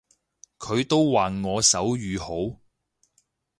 佢都話我手語好